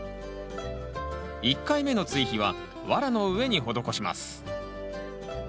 １回目の追肥はワラの上に施します。